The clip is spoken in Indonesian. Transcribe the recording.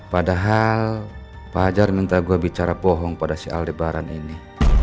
padahal pak hajar minta gue bicara bohong pada soal lebaran ini